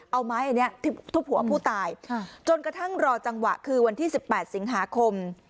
เอาไม้อันนี้ทุบหัวผู้ตายจนกระทั่งรอจังหวะคือวันที่๑๘สิงหาคม